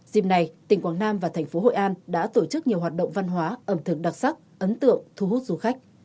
dịp này tỉnh quảng nam và thành phố hội an đã tổ chức nhiều hoạt động văn hóa ẩm thực đặc sắc ấn tượng thu hút du khách